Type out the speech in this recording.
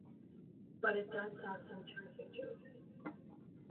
But it does have some terrific jokes.